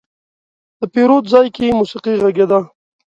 د پیرود ځای کې موسيقي غږېده.